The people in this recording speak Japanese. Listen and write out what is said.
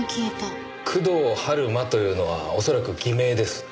工藤春馬というのは恐らく偽名です。